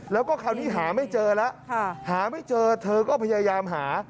แล้วก็คราวนี้หาไม่เจอแล้วหาไม่เจอเธอก็พยายามหา